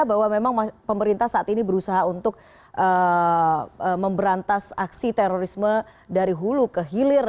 bahwa memang pemerintah saat ini berusaha untuk memberantas aksi terorisme dari hulu ke hilir